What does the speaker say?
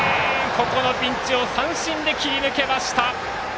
ここのピンチを三振で切り抜けました！